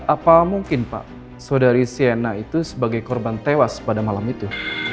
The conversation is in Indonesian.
apa mungkin pak saudari siena itu sebagai korban tewas pada malam itu